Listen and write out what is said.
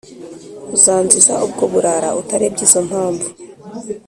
Uzanziza ubwo burara Utarebye izo mpamvu